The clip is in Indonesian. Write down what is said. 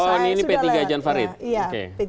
oh ini p tiga jan farid